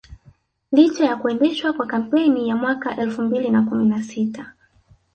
Licha ya kuendeshwa kwa kampeni ya mwaka elfu mbili na kumi na sita